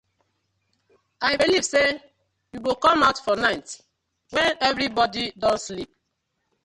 I belive say yu go com out for night wen everibodi don sleep.